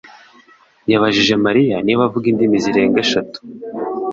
yabajije Mariya niba avuga indimi zirenga eshatu.